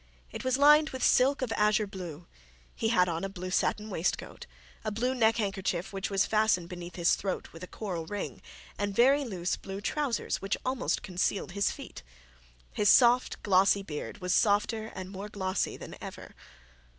It was lined with silk of azure blue. He had on a blue satin waistcoat, a blue handkerchief which was fastened beneath his throat with a coral ring, and very loose blue trousers which almost concealed his feet. His soft glossy beard was softer and more glossy than ever.